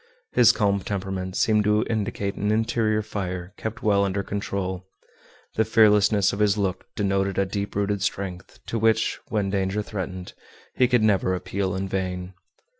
His calm temperament seemed to indicate an interior fire, kept well under control. The fearlessness of his look denoted a deep rooted strength, to which, when danger threatened, he could never appeal in vain.